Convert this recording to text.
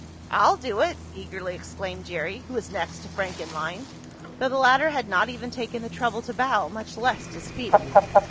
"I'll do it!" eagerly exclaimed Jerry, who was next to Frank in line, though the latter had not even taken the trouble to bow, much less to speak.